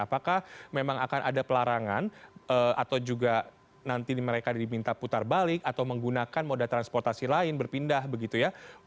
apakah memang akan ada pelarangan atau juga nanti mereka diminta putar balik atau menggunakan moda transportasi lain berpindah begitu ya